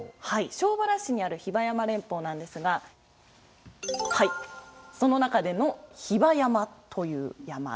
庄原市にある比婆山連峰なんですがはいその中での比婆山という山です。